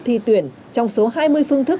thi tuyển trong số hai mươi phương thức